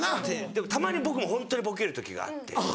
でもたまに僕もホントにボケる時があって。